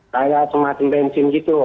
seperti semacam bensin gitu